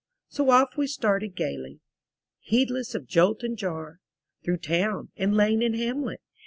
So off we started gaily, Heedless of jolt and jar; Through town, and lane, and hamlet.